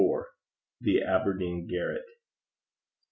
THE ABERDEEN GARRET.